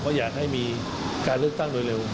ก็อยากให้มีการเลือกตั้งโดยเร็ว